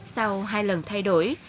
sau hai lần thay đổi